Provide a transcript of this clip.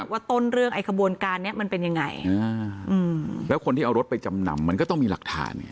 ว่าต้นเรื่องไอ้ขบวนการนี้มันเป็นยังไงแล้วคนที่เอารถไปจำนำมันก็ต้องมีหลักฐานไง